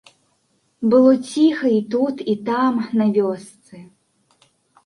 Было ціха і тут, і там, на вёсцы.